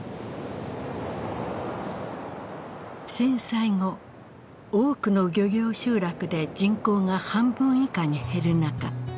震災後多くの漁業集落で人口が半分以下に減る中